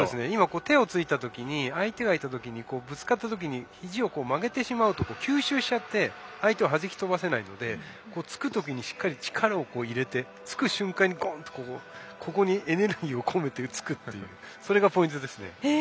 今、手をついたときに相手がいたとき、ぶつかったときひじを曲げてしまうと吸収して相手をはじき飛ばせないのでつくとき、しっかり力を入れてつく瞬間にエネルギーをこめてつくそれがポイントですね。